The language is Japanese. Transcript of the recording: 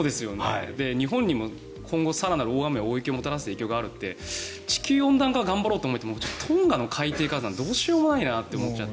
日本でも今後大雨や大雪をもたらす可能性があるので地球温暖化、頑張ろうと思ってもトンガの海底火山どうしようもないなって思っちゃって。